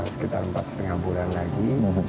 sekitar empat lima bulan lagi